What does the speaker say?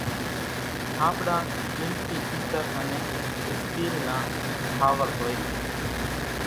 ٺانٻڙان ڳِلٽِي، پيتر انين اِسٽيل نان ٺاول هوئيَ سي۔